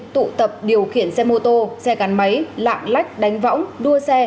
tụ tập điều khiển xe mô tô xe gắn máy lạng lách đánh võng đua xe